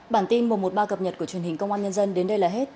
bản tin mùa một ba cập nhật của truyền hình công an nhân dân đến đây là hết